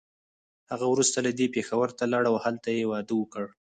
هغه وروسته له دې پېښور ته لاړه او هلته يې واده وکړ.